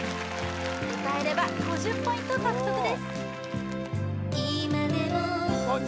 歌えれば５０ポイント獲得ですあっ